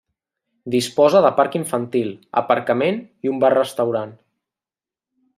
Disposa de parc infantil, aparcament i un bar-restaurant.